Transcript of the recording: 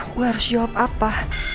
gue harus jawab apa